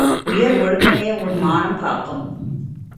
உயர் ஒழுக்கமே உன் மானம் காக்கும்.